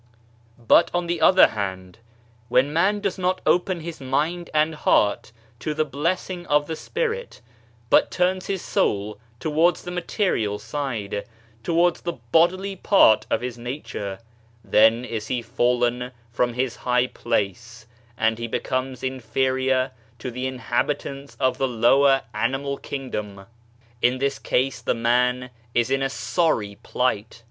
But on the other hand, when man does not open his mind and heart to the Blessing of the Spirit, but turns his soul towards the Material side, towards the bodily part of his nature, then is he fallen from his high place and he becomes inferior to the inhabitants of the lower animal kingdom. In this case the man is in a sorry plight